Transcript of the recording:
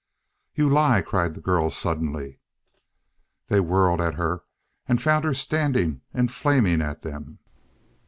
"You lie!" cried the girl suddenly. They whirled at her, and found her standing and flaming at them.